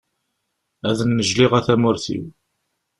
Ad nnejliɣ a tamurt-iw.